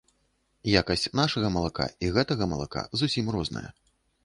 Якасць нашага малака і гэтага малака зусім розная.